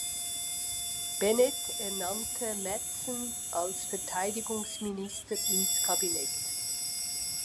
Bennett ernannte Matheson als Verteidigungsminister ins Kabinett.